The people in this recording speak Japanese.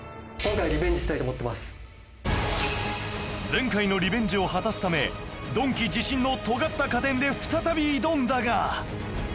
前回のリベンジを果たすためドンキ自信の尖った家電で再び挑んだが